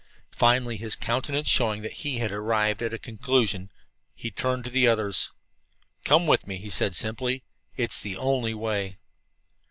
Finally, his countenance showing that he had arrived at a conclusion, he turned to the others. "Come with me," he said simply, "it is the only way."